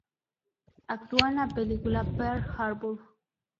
Actuó en la película Pearl Harbour.